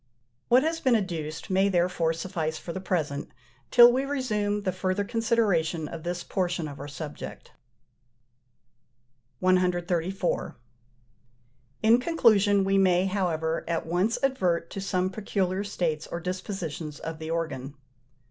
What has been adduced may therefore suffice for the present, till we resume the further consideration of this portion of our subject. 134. In conclusion we may, however, at once advert to some peculiar states or dispositions of the organ.